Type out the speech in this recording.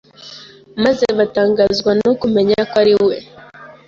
maze batangazwa no kumenya ko ari we...